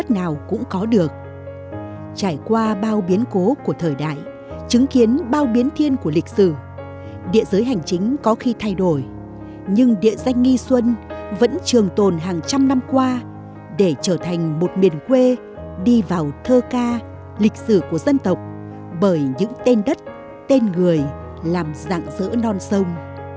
trải qua bao biến cố của thời đại chứng kiến bao biến thiên của lịch sử địa giới hành chính có khi thay đổi nhưng địa danh nghi xuân vẫn trường tồn hàng trăm năm qua để trở thành một miền quê đi vào thơ ca lịch sử của dân tộc bởi những tên đất tên người làm dạng giữa non sông